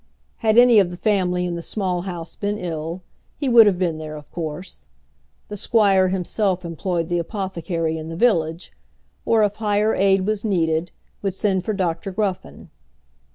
Had any of the family in the Small House been ill, he would have been there of course. The squire himself employed the apothecary in the village, or if higher aid was needed, would send for Dr. Gruffen.